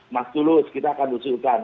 mas tulus kita akan usulkan